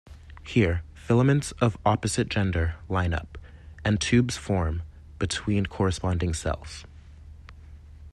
Here filaments of opposite gender line up, and tubes form between corresponding cells.